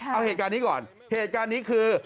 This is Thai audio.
เอาเหตุการณ์นี้ก่อนเหตุการณ์นี้คือ